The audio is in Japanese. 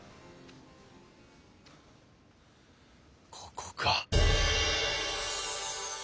ここか！